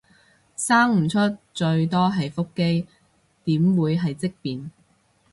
生唔出最多係腹肌，點會係積便